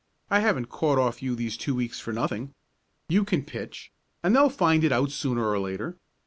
I haven't caught off you these two weeks for nothing. You can pitch, and they'll find it out sooner or later.